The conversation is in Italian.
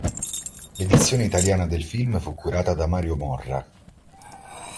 L'edizione italiana del film fu curata da Mario Morra.